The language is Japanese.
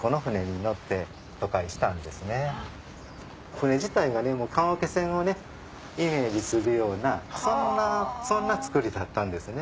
船自体が棺桶船をイメージするようなそんな造りだったんですね。